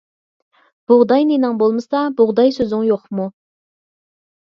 بۇغداي نېنىڭ بولمىسا، بۇغداي سۆزۈڭ يوقمۇ.